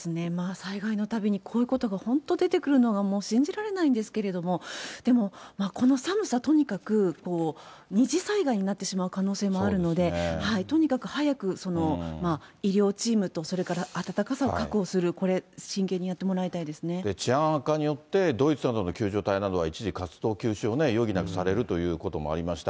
災害のたびに、こういうことが本当出てくるのが、もう、信じられないんですけど、でもこの寒さ、とにかく二次災害になってしまう可能性もあるので、とにかく早く医療チームと、それから暖かさを確保する、治安悪化によって、ドイツなどの救助隊などは一時活動休止を余儀なくされるということもありました。